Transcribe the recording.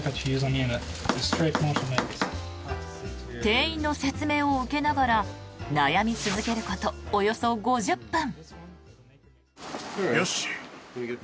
店員の説明を受けながら悩み続けること、およそ５０分。